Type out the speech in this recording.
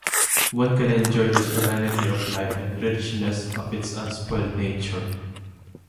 One can enjoy the serenity of life and richness of its unspoiled nature.